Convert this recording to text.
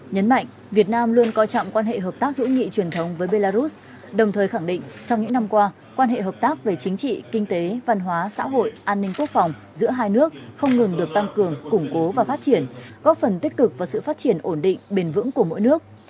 nhấn mạnh việt nam luôn coi trọng quan hệ hợp tác hữu nghị truyền thống với belarus đồng thời khẳng định trong những năm qua quan hệ hợp tác về chính trị kinh tế văn hóa xã hội an ninh quốc phòng giữa hai nước không ngừng được tăng cường củng cố và phát triển góp phần tích cực vào sự phát triển ổn định bền vững của mỗi nước